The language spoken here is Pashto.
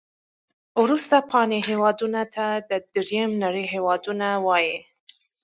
وروسته پاتې هیوادونو ته د دریمې نړۍ هېوادونه وایي.